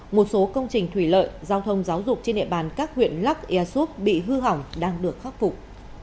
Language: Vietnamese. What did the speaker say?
một số công trình thủy lợi giao thông giáo dục trên địa bàn các huyện lắc ea súp bị hư hỏng đang được khắc phục